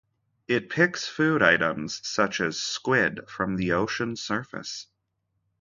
It picks food items such as squid from the ocean surface.